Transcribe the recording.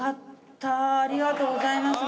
ありがとうございます